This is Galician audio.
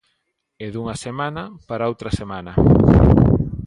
E dunha semana, para outra semana.